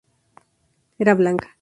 Era blanca.